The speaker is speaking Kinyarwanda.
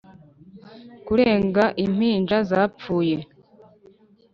kurenga impinja zapfuye